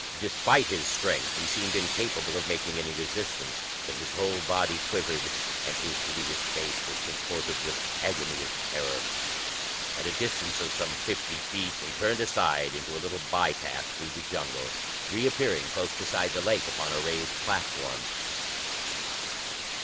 Despite his strength, he seemed incapable of making any resistance, but his whole body quivered, and his hideous face was contorted with agony of terror. At a distance of some fifty feet they turned aside into a little bypath through the jungle, reappearing close beside the Lake upon a raised platform.